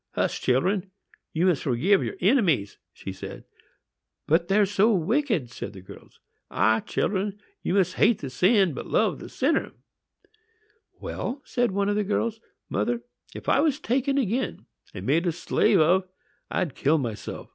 "Hush, children! you must forgive your enemies," she said. "But they're so wicked!" said the girls. "Ah, children, you must hate the sin, but love the sinner." "Well," said one of the girls, "mother, if I was taken again and made a slave of, I'd kill myself."